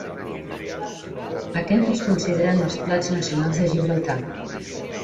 Aquest es consideren els plats nacionals de Gibraltar.